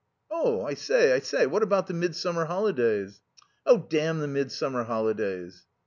"I say, I say, how about the midsummer holidays?" "Oh, damn the midsummer holidays!"